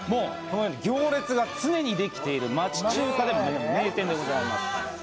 行列が常にできている町中華の名店でございます。